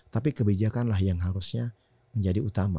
tapi kebijakan lah yang harusnya menjadi utama